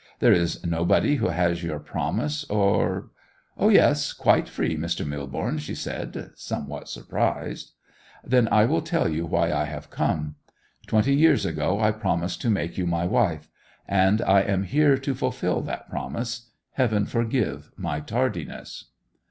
There is nobody who has your promise, or—' 'O yes; quite free, Mr. Millborne,' she said, somewhat surprised. 'Then I will tell you why I have come. Twenty years ago I promised to make you my wife; and I am here to fulfil that promise. Heaven forgive my tardiness!